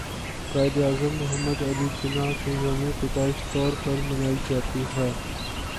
قائد اعظم محمد علی جناح کے يوم پیدائش طور پر منائی جاتى ہے